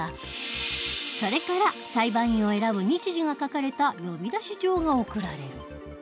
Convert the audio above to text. それから裁判員を選ぶ日時が書かれた呼出状が送られる。